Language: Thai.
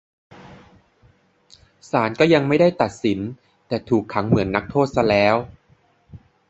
ศาลก็ยังไม่ตัดสิน แต่ถูกขังเหมือนนักโทษซะแล้ว